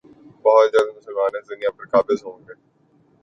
بہت جلد مسلمان اس دنیا پر قابض ہوں گے